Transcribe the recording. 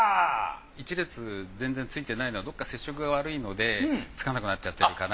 １列全然ついてないのはどこか接触が悪いのでつかなくなっちゃってるかな。